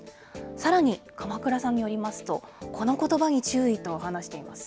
さらに、鎌倉さんによりますとこのことばに注意と話しています。